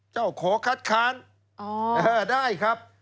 ขอคัดค้านได้ครับ